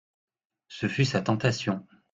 Ce fut sa tentation.